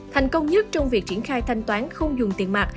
thành công nhất trong việc triển khai thanh toán không dùng tiền mặt